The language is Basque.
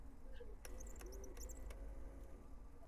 Badirudi horrela izango dela.